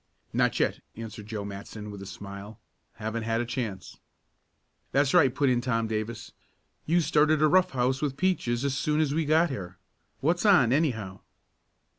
"Not yet," answered Joe Matson with a smile. "Haven't had a chance." "That's right," put in Tom Davis. "You started a rough house with Peaches as soon as we got here. What's on, anyhow?"